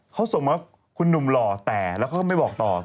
เขาส่งมาคุณหนุ่มหล่อแต่แล้วเขาก็ไม่บอกต่อ